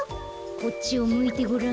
こっちをむいてごらん。